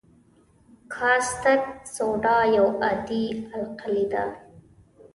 کاستک سوډا یو عادي القلي ده.